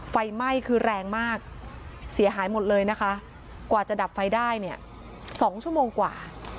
ไฟไหม้คือแรงมากเสียหายหมดเลยนะคะกว่าจะดับไฟได้เนี่ย๒ชั่วโมงกว่า